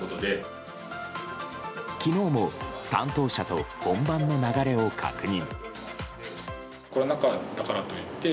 昨日も、担当者と本番の流れを確認。